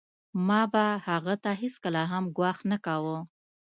ما به هغه ته هېڅکله هم ګواښ نه کاوه